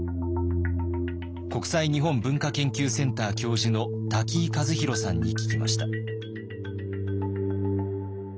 国際日本文化研究センター教授の瀧井一博さんに聞きました。